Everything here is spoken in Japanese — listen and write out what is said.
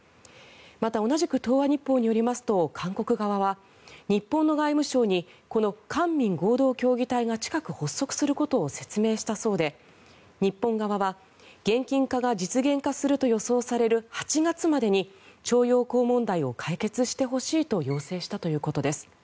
また同じく東亜日報によりますと韓国側は日本の外務省にこの官民合同協議体が近く発足することを説明したそうで日本側は現金化が実現化すると予想される８月までに徴用工問題を解決してほしいと要請したということです。